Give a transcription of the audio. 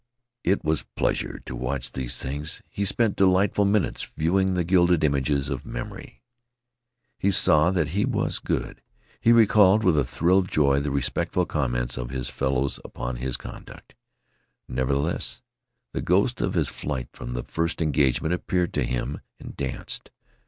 It was pleasure to watch these things. He spent delightful minutes viewing the gilded images of memory. He saw that he was good. He recalled with a thrill of joy the respectful comments of his fellows upon his conduct. Nevertheless, the ghost of his flight from the first engagement appeared to him and danced.